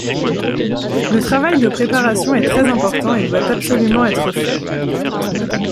Le travail de préparation est très important et doit absolument être fait.